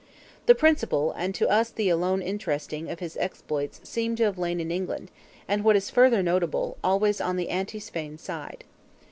The principal, and to us the alone interesting, of his exploits seem to have lain in England, and, what is further notable, always on the anti Svein side.